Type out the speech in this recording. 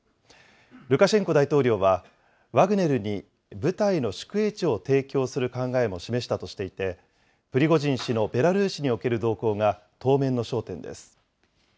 ルカシェンコ大統領は、ワグネルに部隊の宿営地を提供する考えも示したとしていて、プリゴジン氏のベラルーシにおける動向が当面の焦点です。